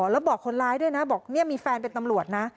แล้วบอกคนร้ายด้วยนะบอกเนี่ยมีแฟนเป็นตำรวจนะ